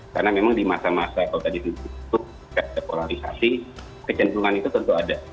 karena memang di masa masa kalau tadi kita sebut kesepolarisasi kecenderungan itu tentu ada